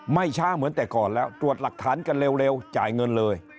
ไม่ช้าเหมือนแต่ก่อนแล้วตรวจหลักฐานกันเร็วจ่ายเงินเลย